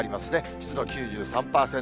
湿度９３％。